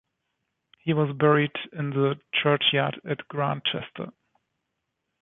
He was buried in the churchyard at Grantchester.